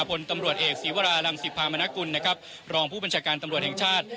ผลตำรวจเอกศีวรารังสิภามนกุลนะครับรองผู้บัญชาการตำรวจแห่งชาติ